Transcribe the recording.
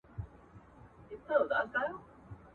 چي پخپله په مشکل کي ګرفتار وي !.